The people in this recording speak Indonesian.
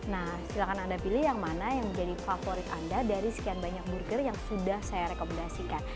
nah silahkan anda pilih yang mana yang menjadi favorit anda dari sekian banyak burger yang sudah saya rekomendasikan